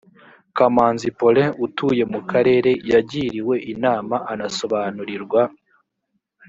kamanzi paulin utuye mu karere yagiriwe inama anasobanurirwa